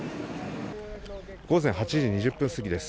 午前８時２０分過ぎです。